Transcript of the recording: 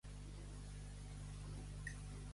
Quan l'agrelleta dringa, la mallerenga espinga.